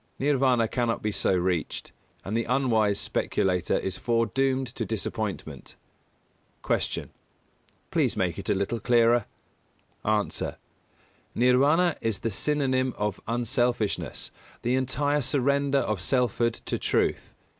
Nirvāna cannot be so reached, and the unwise speculator is foredoomed to disappointment. 244. Q. Please make it a little clearer? A. Nirvāna is the synonym of unselfishness, the entire surrender of selfhood to truth.